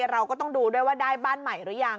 เราก็ต้องดูด้วยว่าได้บ้านใหม่หรือยัง